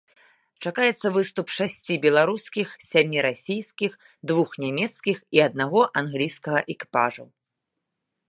Чакаецца выступ шасці беларускіх, сямі расійскіх, двух нямецкіх і аднаго англійскага экіпажаў.